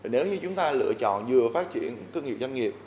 nếu như chúng ta lựa chọn vừa phát triển thương hiệu doanh nghiệp